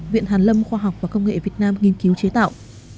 viện hàn lâm khoa học và công nghệ việt nam nghiên cứu chế tạo